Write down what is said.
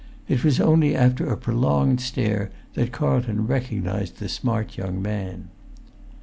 It was only after a prolonged stare that Carlton recognised the smart young man.